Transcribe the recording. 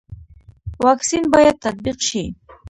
واکسین باید تطبیق شي